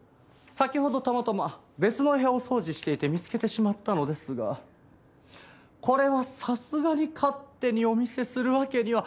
先ほどたまたま別のお部屋をお掃除していて見つけてしまったのですがこれはさすがに勝手にお見せするわけには。